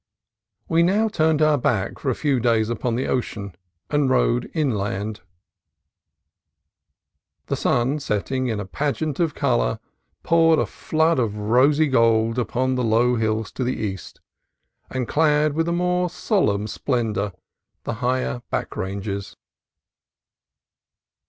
We now turned our backs for a few days upon the ocean and rode inland. The sun, setting in a pageant of color, poured a flood of rosy gold upon the low hills to the east, and clad with a more solemn splen dor the higher back ranges.